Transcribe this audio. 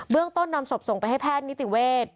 ต้นนำศพส่งไปให้แพทย์นิติเวทย์